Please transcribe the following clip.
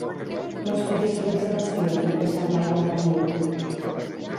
No esperis fruits a l'estiu, deixant l'aigua en el riu.